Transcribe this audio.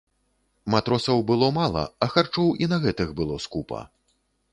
Матросаў было мала, а харчоў і на гэтых было скупа.